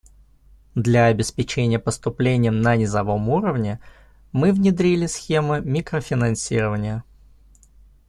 Для обеспечения поступлений на низовом уровне мы внедрили схемы микрофинансирования.